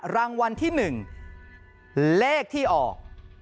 รางวัลที่๑เลขที่ออก